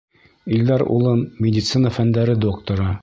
Илдар улым — медицина фәндәре докторы.